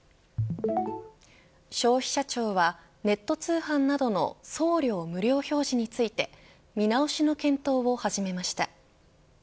消費者庁はネット通販などの送料無料表示について見直しの検討を始めました。